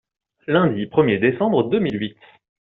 Lundi premier décembre deux mille huit.